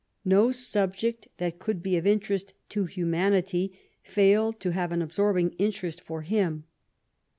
No subject that could be of interest to humanity failed to have an absorbing interest for him.